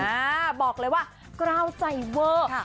อ่าบอกเลยว่ากล้าวใจเวอร์ค่ะ